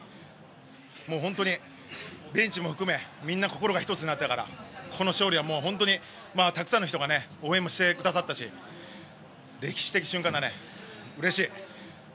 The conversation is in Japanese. もう本当にベンチも含めみんな心が一つになってたからこの勝利はもう本当にたくさんの人が応援もしてくださったし歴史的瞬間だね、うれしい。